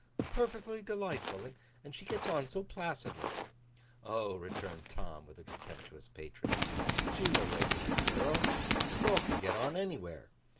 'Perfectly delightful. And she gets on so placidly.' 'Oh,' returned Tom, with contemptuous patronage, 'she's a regular girl. A girl can get on anywhere.